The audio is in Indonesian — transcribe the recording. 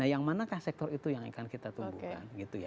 nah yang manakah sektor itu yang akan kita tumbuhkan gitu ya